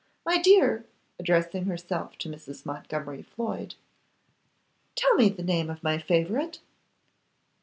My dear,' addressing herself to Mrs. Montgomery Floyd, 'tell me the name of my favourite.